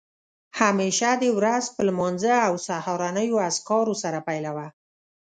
همېشه دې ورځ په لمانځه او سهارنیو اذکارو سره پیلوه